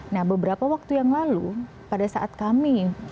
nah beberapa waktu yang lalu pada saat kami